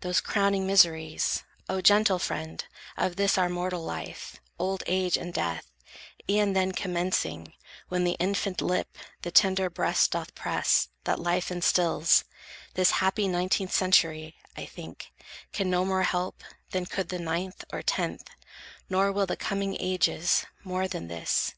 Those crowning miseries, O gentle friend, Of this our mortal life, old age and death, E'en then commencing, when the infant lip The tender breast doth press, that life instils, This happy nineteenth century, I think, Can no more help, than could the ninth, or tenth, Nor will the coming ages, more than this.